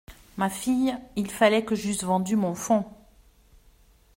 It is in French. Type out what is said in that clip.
Ma fille, il fallait que j’eusse vendu mon fonds…